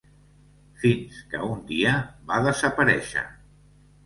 Fins que un dia va desaparèixer.